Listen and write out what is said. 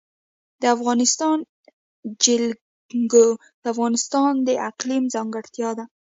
د افغانستان جلکو د افغانستان د اقلیم ځانګړتیا ده.